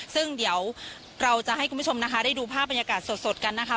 ซึ่งเดี๋ยวเราจะให้คุณผู้ชมนะคะได้ดูภาพบรรยากาศสดกันนะคะ